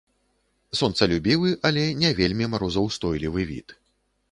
Сонцалюбівы, але не вельмі марозаўстойлівы від.